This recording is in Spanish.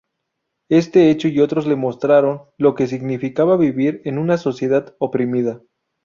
Este hecho y otros le mostraron lo que significaba vivir en una sociedad oprimida.